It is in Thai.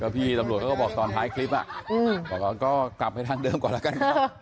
พี่ตำรวจเขาก็บอกตอนท้ายคลิปบอกว่าก็กลับไปทางเดิมก่อนแล้วกันนะ